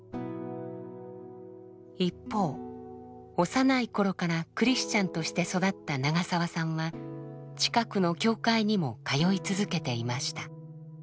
一方幼い頃からクリスチャンとして育った長澤さんは近くの教会にも通い続けていました。